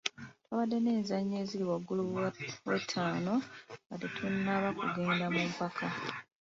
Twabadde n'enzannya eziri waggulu w'etaano nga tetunnaba kugenda mu mpaka.